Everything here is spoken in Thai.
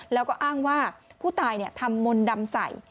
แล้วก็อ้างว่าผู้ตายทำมนต์ดำใส่